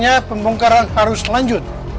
saya pembongkaran harus lanjut